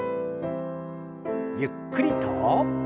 ゆっくりと。